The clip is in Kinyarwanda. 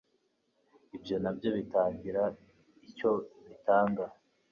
ibyo nabyo bitagira icyo bitanga,